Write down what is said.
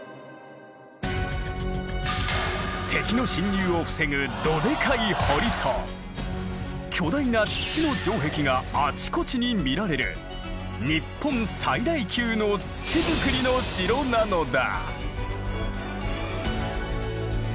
敵の侵入を防ぐどでかい堀と巨大な土の城壁があちこちに見られる日本最大級の土造りの城なのだ。